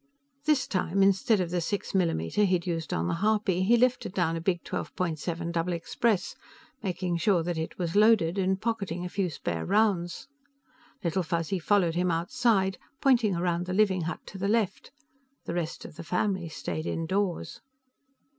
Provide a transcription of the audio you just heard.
This time, instead of the 6 mm he had used on the harpy, he lifted down a big 12.7 double express, making sure that it was loaded and pocketing a few spare rounds. Little Fuzzy followed him outside, pointing around the living hut to the left. The rest of the family stayed indoors.